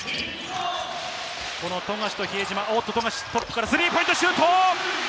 富樫と比江島、富樫トップからスリーポイントシュート！